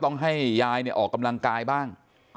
ต้องให้ยายออกกำลังกายบ้าง